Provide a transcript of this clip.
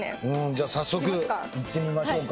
早速行ってみましょうか。